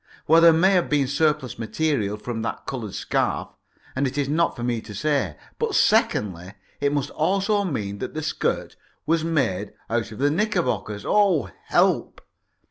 Well, there may have been surplus material from that coloured scarf, and it is not for me to say. But, secondly, it must also mean that the skirt was made out of the knickerbockers. Oh, help!